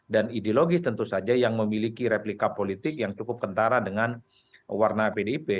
ideologis tentu saja yang memiliki replika politik yang cukup kentara dengan warna pdip